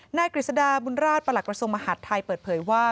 หน้ากฤษฎาบุญราชประหลักประสงค์มหาทไทยเปิดเผยว่า